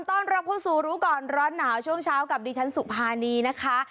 ต้อนรับเข้าสู่รู้ก่อนร้อนหนาวช่วงเช้ากับดิฉันสุภานีนะคะ